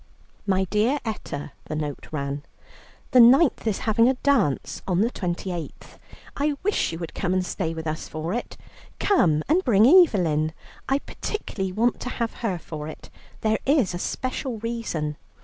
"MY DEAR ETTA," the note ran, "The 9th is having a dance on the 28th. I wish you would come and stay with us for it. Come, and bring Evelyn. I particularly want to have her for it. There is a special reason.